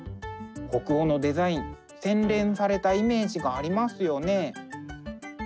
北欧のデザイン洗練されたイメージがありますよね。